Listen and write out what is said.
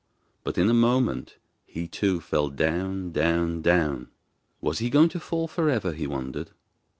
But in a moment he, too, fell down, down, down. Was he going to fall for ever, he wondered!